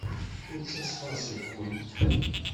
Ur ttasmeɣ seg-went.